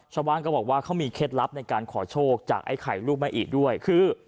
ชาวบ้านก็บอกว่าเขามีเคล็ดลับในการขอโชคจากไอ้ไข่ลูกแม่อิด้วยคือ